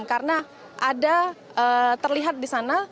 karena ada terlihat di sana